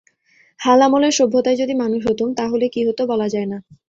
হাল আমলের সভ্যতায় যদি মানুষ হতুম তা হলে কী হত বলা যায় না।